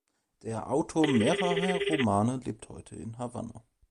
Der Autor mehrerer Romane lebt heute in Havanna.